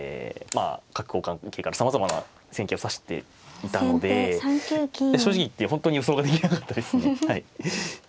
あ角交換型からさまざまな戦型を指していたので正直言って本当に予想ができなかったですね。